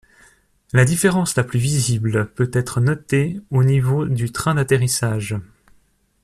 La différence la plus visible peut-être notée au niveau du train d'atterrissage.